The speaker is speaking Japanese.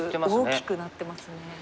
大きくなってますね。